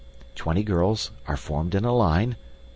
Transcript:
Twenty girls are formed in a line.